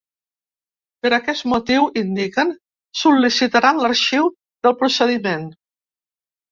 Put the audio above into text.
Per aquest motiu, indiquen, sol·licitaran l’arxiu del procediment.